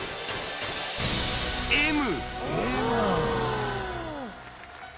『Ｍ』。